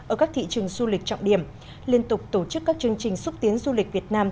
ở các thị trường du lịch trọng điểm liên tục tổ chức các chương trình xúc tiến du lịch việt nam